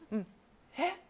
えっ？